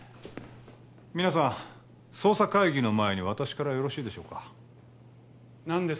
皆さん捜査会議の前に私からよろしいでしょうか何です？